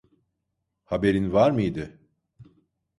Haberin var mıydı?